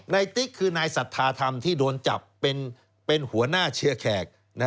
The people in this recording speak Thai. ติ๊กคือนายสัทธาธรรมที่โดนจับเป็นหัวหน้าเชียร์แขก